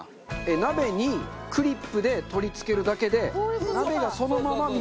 鍋にクリップで取り付けるだけで鍋がそのまま水切りされ。